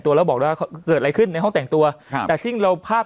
ตัวแล้วบอกแบบเกิดอะไรขึ้นในห้องแต่งตัวแต่ซึ่งเราภาพ